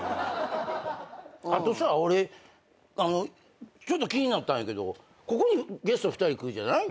あとさ俺ちょっと気になったんやけどここにゲスト２人来るじゃない？